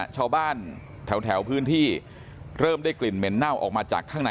ชาวบ้านแถวพื้นที่เริ่มได้กลิ่นเหม็นเน่าออกมาจากข้างใน